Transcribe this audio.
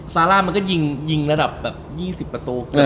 ซาร่ามันก็ยิงระดับ๒๐ประตู